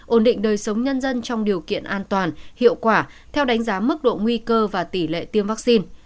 ổn định đời sống nhân dân trong điều kiện an toàn hiệu quả theo đánh giá mức độ nguy cơ và tỷ lệ tiêm vaccine